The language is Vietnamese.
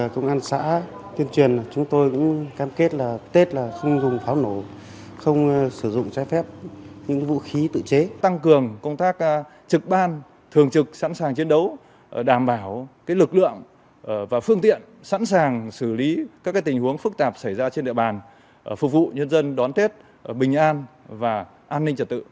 phục vụ nhân dân đón tết bình an và an ninh trật tự